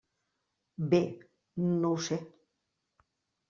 Bé, no ho sé.